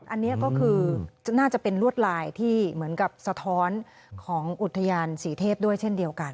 อันนี้ก็คือน่าจะเป็นลวดลายที่เหมือนกับสะท้อนของอุทยานศรีเทพด้วยเช่นเดียวกัน